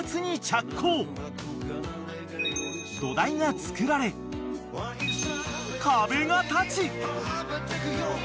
［土台が作られ壁が建ち］